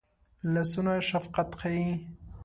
لاسونه شفقت ښيي